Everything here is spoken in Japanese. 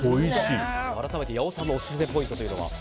改めて八尾さんのオススメポイントというのは？